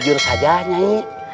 hujur saja nyai